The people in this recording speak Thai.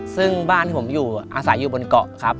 ซึ่งบ้านที่ผมอยู่อาศัยอยู่บนเกาะครับ